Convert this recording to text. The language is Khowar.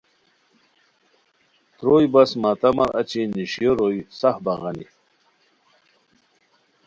تروئے بس ماتمار اچی نیݰیو روئے سف بغانی